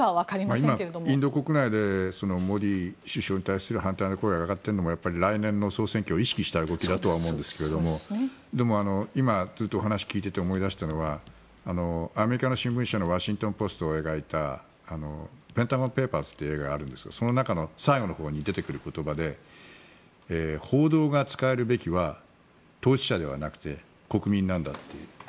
今、インド国内でモディ首相に対する反対の声が上がっているのは来年の総選挙を意識した動きだと思うんですけれどもでも、今、お話を聞いていて思い出したのはアメリカの新聞社のワシントン・ポストが書いた映画があるんですけどその中の最後のほうに出てくる言葉で報道が伝えるべきは当事者ではなくて国民なんだと。